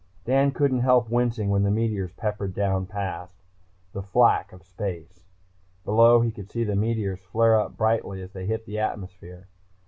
Dan couldn't help wincing when the meteors peppered down past. The "flak" of space. Below he could see the meteors flare up brightly as they hit the atmosphere.